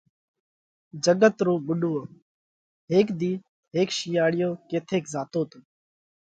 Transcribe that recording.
جڳت رو ٻُوڏوو: هيڪ ۮِي هيڪ شِينئاۯِيو ڪٿئيڪ زاتو تو۔